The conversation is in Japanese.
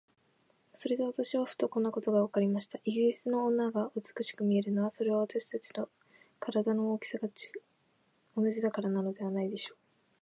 それで私はふと、こんなことがわかりました。イギリスの女が美しく見えるのは、それは私たちと身体の大きさが同じだからなのでしょう。